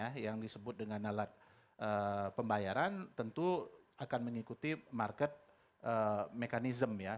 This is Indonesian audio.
ya yang disebut dengan alat pembayaran tentu akan mengikuti market mechanism ya